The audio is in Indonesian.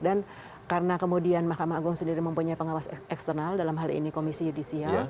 dan karena kemudian makam agung sendiri mempunyai pengawas eksternal dalam hal ini komisi judisial